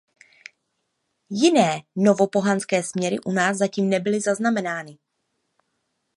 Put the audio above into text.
Jiné "novo"pohanské směry u nás zatím nebyly zaznamenány.